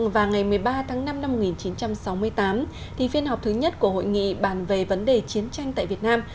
và ngày một mươi ba tháng năm năm một nghìn chín trăm sáu mươi tám phiên họp thứ nhất của hội nghị bàn về vấn đề chiến tranh tại việt nam